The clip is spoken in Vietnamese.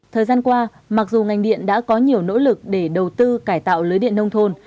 thời gian qua mặc dù ngành điện đã có nhiều nỗ lực để đầu tư cải tạo lưới điện nông thôn